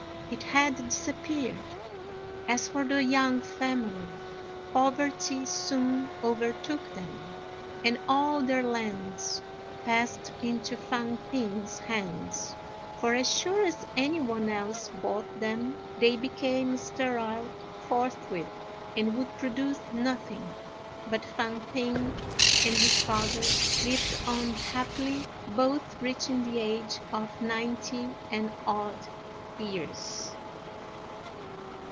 it had disappeared. As for the Yang family, poverty soon overtook them, and all their lands passed into Fang p'ing's hands; for as sure as any one else bought them, they became sterile forthwith, and would produce nothing; but Fang p'ing and his father lived on happily, both reaching the age of ninety and odd years.